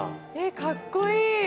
かっこいい。